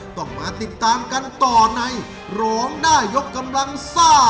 ต้องมาติดตามกันต่อในร้องได้ยกกำลังซ่า